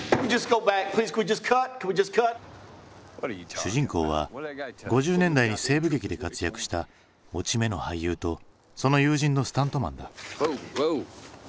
主人公は５０年代に西部劇で活躍した落ち目の俳優とその友人のスタントマンだ。